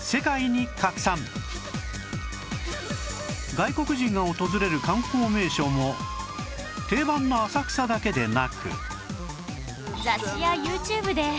外国人が訪れる観光名所も定番の浅草だけでなく